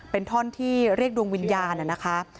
เป็นท่อนที่เรียกดวงวิญญาณนะคะ